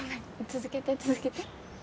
続けて続けて。